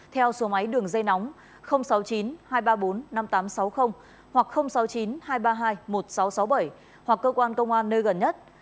theo số máy đường dây nóng sáu mươi chín hai trăm ba mươi bốn năm nghìn tám trăm sáu mươi hoặc sáu mươi chín hai trăm ba mươi hai một nghìn sáu trăm sáu mươi bảy hoặc cơ quan công an nơi gần nhất